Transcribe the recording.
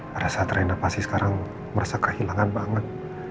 pada saat reina pasti sekarang merasa kehilangan banget